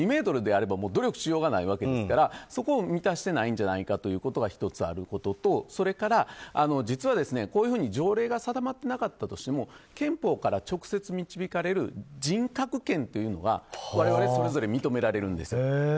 ２ｍであれば努力しようがないわけですからそこを満たしてないんじゃないかということが、１つあることとそれから実は、こういうふうに条例が制定されていなかったとしても憲法から直接導かれる人格権というのは我々、それぞれ認められるんです。